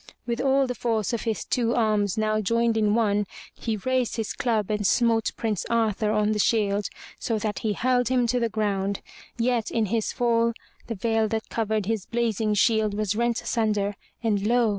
With all the force of his two arms now joined in one, he raised his club and smote Prince Arthur on the shield, so that he hurled him to the ground. Yet in his fall the veil that covered his blazing shield was rent asunder and lo!